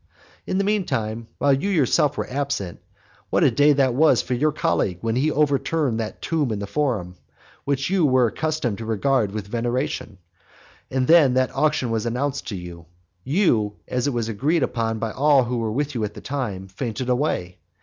XLII. In the mean time, while you yourself were absent, what a day was that for your colleague when he overturned that tomb in the forum, which you were accustomed to regard with veneration! And when that action was announced to you, you as is agreed upon by all who were with you at the time fainted away.